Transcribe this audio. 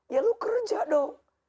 ya lu kerja dong